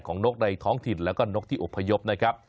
ของนกในท้องถิดและก็นกที่องค์่ะยบ